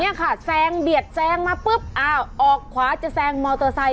เนี่ยค่ะแซงเบียดแซงมาปุ๊บอ้าวออกขวาจะแซงมอเตอร์ไซค